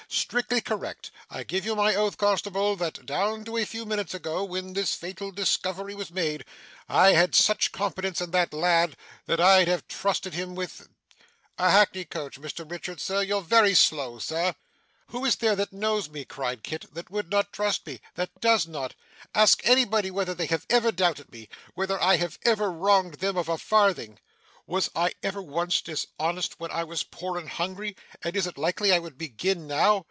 'Strictly correct. I give you my oath, constable, that down to a few minutes ago, when this fatal discovery was made, I had such confidence in that lad, that I'd have trusted him with a hackney coach, Mr Richard, sir; you're very slow, Sir.' 'Who is there that knows me,' cried Kit, 'that would not trust me that does not? ask anybody whether they have ever doubted me; whether I have ever wronged them of a farthing. Was I ever once dishonest when I was poor and hungry, and is it likely I would begin now!